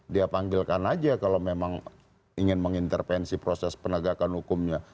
dia panggilkan aja kalau memang ingin mengintervensi proses penegakan hukumnya